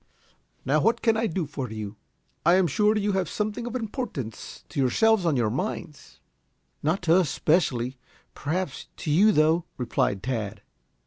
"Now, what can I do for you? I am sure you have something of importance to yourselves on your minds." "Not to us specially. Perhaps to you, though," replied Tad.